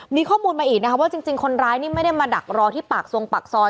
มีข้อมูลมาอีกนะคะว่าจริงคนร้ายนี่ไม่ได้มาดักรอที่ปากทรงปากซอย